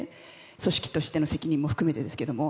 組織としての責任も含めてですけども。